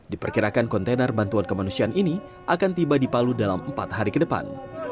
diperkirakan kontainer bantuan kemanusiaan ini akan tiba di palu dalam empat hari ke depan